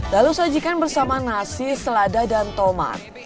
lalu sajikan bersama nasi selada dan tomat